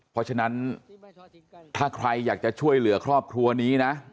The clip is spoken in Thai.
เพราะฉะนั้นถ้าใครอยากจะช่วยเหลือครอบครัวนี้นะ